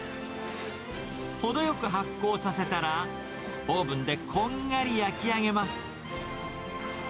程よく発酵させたら、オーブンでこんがり焼き上げます。